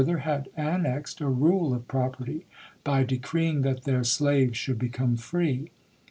ther, had annexed a rule of property, by decreeing that theii* slaves should become free.